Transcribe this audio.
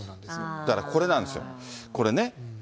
だからこれなんですよ、これね。